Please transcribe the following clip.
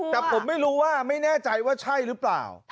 แต่ผมไม่รู้ว่าไม่แน่ใจว่าใช่หรือเปล่า